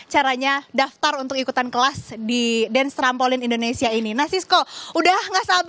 caranya daftar untuk ikutan kelas di dance trampolin indonesia ini nasisko udah nggak sampai